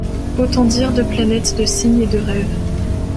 Autant dire deux planètes de signes et de rêves.